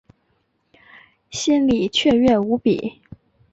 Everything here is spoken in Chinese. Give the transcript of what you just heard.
心里雀跃无比